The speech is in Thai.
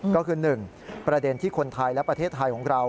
ก็คือ๑ประเด็นที่คนไทยและประเทศไทยของเรา